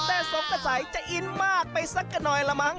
แต่สมกระจ๋าจะอินมากไปสักหน่อยละมั้ง